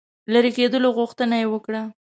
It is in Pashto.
لیري کېدلو غوښتنه یې وکړه.